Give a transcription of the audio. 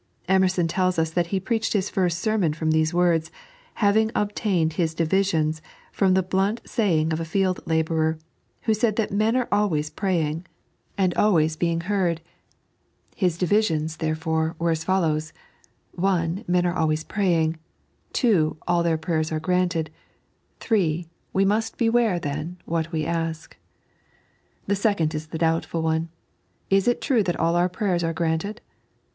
Emerson tells us that he preached his first sermon from these words, having obtained his divisions from the blunt saying of a field labourer, who said that men are always praying, and always 3.n.iized by Google 174 The Royalty of oue Life. being heard. His diviBions, therefore, were ae follows :— (1) Hen are always [irayiiig; (2) all their prayers are granted ; (3) we must beware, then, what we ask. The seoond is the doubtful one. Is it true that aH our prayers are granted